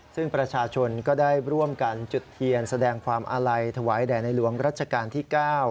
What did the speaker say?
ซึ่งประชาชนก็ได้ร่วมกันจุดเทียนแสดงความอาลัยถวายแด่ในหลวงรัชกาลที่๙